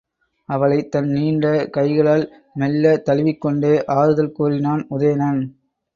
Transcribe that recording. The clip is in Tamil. அவளைத் தன் நீண்ட கைகளால் மெல்ல தழுவிக்கொண்டே ஆறுதல் கூறினான் உதயணன்.